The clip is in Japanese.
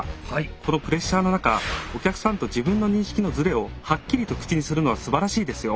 このプレッシャーの中お客さんと自分の認識のズレをハッキリと口にするのはすばらしいですよ。